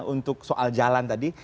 untuk soal jalan tadi